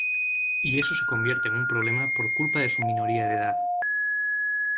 Y eso se convierte en un problema por culpa de su minoría de edad.